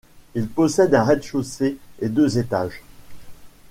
Il possède un rez-de-chaussée et deux étages.